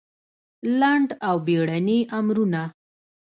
لنډ او بېړني امرونه